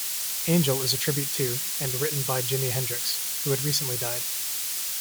"Angel" is a tribute to, and written by Jimi Hendrix, who had recently died.